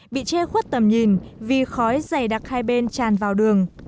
bị che khuất tầm nhìn vì khói dày đặc hai bên tràn vào đường